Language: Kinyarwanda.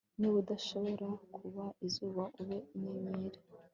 niba udashobora kuba izuba ube inyenyeri